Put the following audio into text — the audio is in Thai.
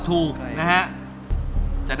กิเลนพยองครับ